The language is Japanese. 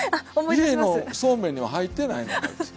家のそうめんには入ってないのあいつ。